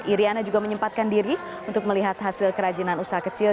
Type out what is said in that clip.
iryana juga menyempatkan diri untuk melihat hasil kerajinan usaha kecil